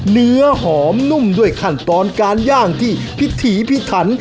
เนื้อหอมนุ่มด้วยขั้นตอนการย่างที่พิถีพิถัน